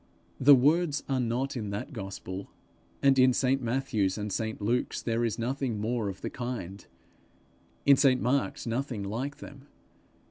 The words are not in that gospel, and in St Matthew's and St Luke's there is nothing more of the kind in St Mark's nothing like them.